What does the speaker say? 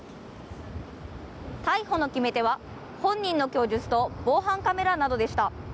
逮捕の決め手は本人の供述と防犯カメラなどでした。